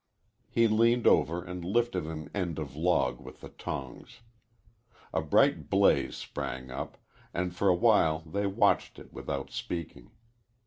He leaned over and lifted an end of log with the tongs. A bright blaze sprang up, and for a while they watched it without speaking.